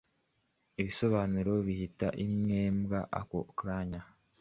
ishobora guhita inywebwa ako kanya.